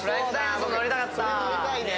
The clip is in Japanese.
それ乗りたいね。